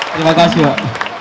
terima kasih pak